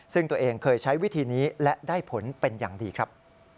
ซึ่งตัวเองเคยใช้วิธีนี้และได้ผลเป็นอย่างดีครับ